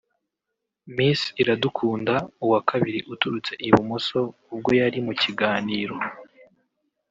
Miss Iradukunda (Uwa kabiri uturutse i Bumuso) ubwo yari mu kiganiro